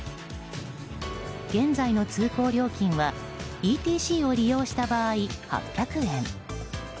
現在の通行料金はＥＴＣを利用した場合８００円。